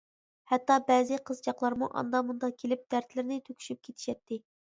ھەتتا بەزى قىزچاقلارمۇ ئاندا-مۇندا كېلىپ دەردلىرىنى تۆكۈشۈپ كېتىشەتتى.